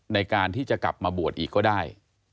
ในการที่จะกลับมาบวชอีกก็ได้